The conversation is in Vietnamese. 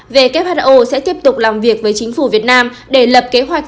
về kpho sẽ tiếp tục làm việc với chính phủ việt nam để lập kế hoạch